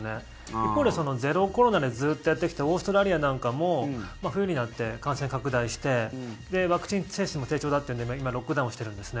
一方でゼロコロナでずっとやってきたオーストラリアなんかも冬になって感染拡大してワクチン接種も低調になって今、ロックダウンをしてるんです